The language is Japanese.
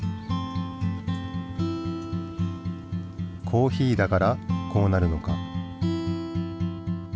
コーヒーだからこうなるのか？